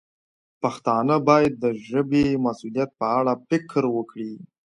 پښتانه باید د ژبې د مسوولیت په اړه فکر وکړي.